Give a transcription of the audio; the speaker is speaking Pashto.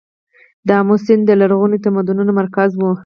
د امو سیند د لرغونو تمدنونو مرکز و